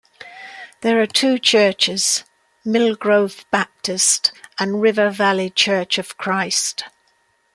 There are two churches, Millgrove Baptist and River Valley Church of Christ.